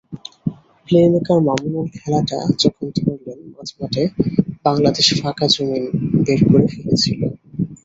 Playmaker Mamunul খেলাটা যখন ধরলেন মাঝমাঠে, বাংলাদেশ ফাঁকা জমিন বের করে ফেলছিল।